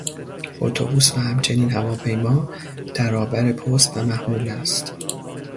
اتوبوس و همچنین هواپیما ترابر پست و محموله است.